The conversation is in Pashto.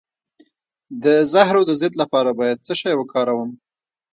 د زهرو د ضد لپاره باید څه شی وکاروم؟